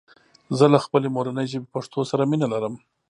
زه له خپلي مورني ژبي پښتو سره مينه لرم